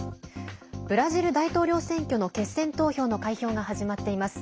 ブラジル大統領選挙の決選投票の開票が始まっています。